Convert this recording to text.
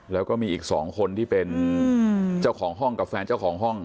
แล้วก็มีอีกสองคนที่เป็นเจ้าของห้องกับแฟนเจ้าของห้อง